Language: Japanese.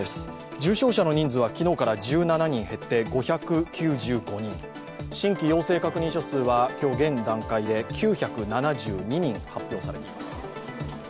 重症者の人数は昨日から１７人減って５９５人新規陽性確認者数は今日現段階で９７２人発表されています。